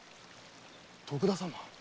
徳田様。